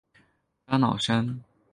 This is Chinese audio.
加瑙山。